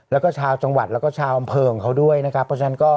แล้วก็ชาวจังหวัดแล้วก็ชาวอำเภอของเขาด้วยนะครับเพราะฉะนั้นก็